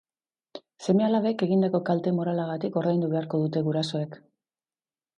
Seme-alabek egindako kalte moralagatik ordaindu beharko dute gurasoek.